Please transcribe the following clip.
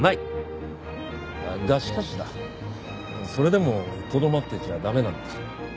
がしかしだそれでもとどまってちゃ駄目なんだ。